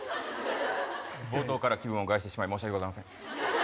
冒頭から気分を害して申し訳ございません。